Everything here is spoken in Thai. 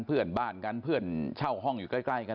เพื่อนบ้านกันเพื่อนเช่าห้องอยู่ใกล้กัน